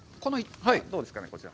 どうですかね、こちら。